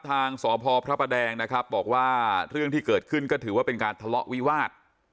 ทางสพพระประแดงนะครับบอกว่าเรื่องที่เกิดขึ้นก็ถือว่าเป็นการทะเลาะวิวาส